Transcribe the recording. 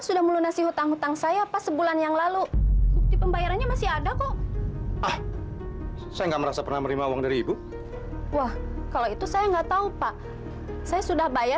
sampai jumpa di video selanjutnya